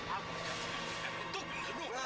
aku akan mengecewakan untuk menunggu